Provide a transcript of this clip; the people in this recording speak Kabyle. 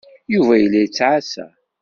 Yuba yella yettɛassa.